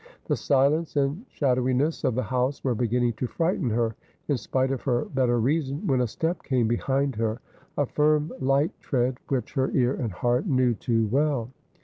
The silence and shadowiness of the house were beginning to frighten her in spite of her better reason, when a step came behind her — a firm light tread which her ear and heart knew too well.